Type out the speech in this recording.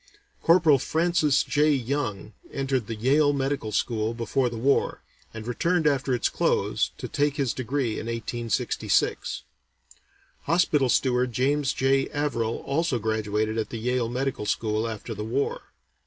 Corporal Francis J. Young entered the Yale Medical School before the war, and returned after its close to take his degree in 1866. Hospital Steward James J. Averill also graduated at the Yale Medical School after the war.